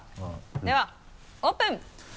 ではオープン。